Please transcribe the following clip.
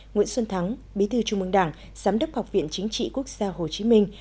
nguyễn xuân thắng bí thư trung mương đảng giám đốc học viện chính trị quốc gia hồ chí minh